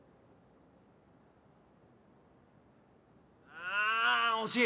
・ああ惜しい